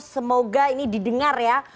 semoga ini didengar ya